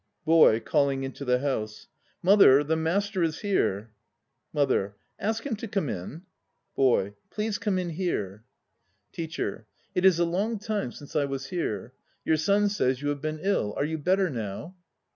BOY (calling into the house). Mother, the Master is here. MOTHER. Ask him to come in. BOY. Please come in here. 190 TANIKD 191 TEACHER. It 13 a long time since I was here. Your son says you have been ill. Are you better now?